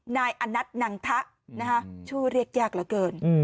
นายอนัทนังทะชื่อเรียกยากเหลือเกิน